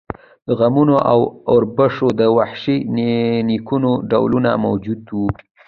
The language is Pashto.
د غنمو او اوربشو د وحشي نیکونو ډولونه موجود وو.